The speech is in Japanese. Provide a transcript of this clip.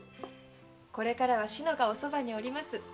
これからは志乃がおそばにおります。